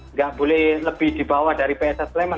nggak boleh lebih dibawa dari pss sleman